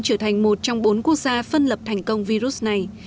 trở thành một trong bốn quốc gia phân lập thành công virus này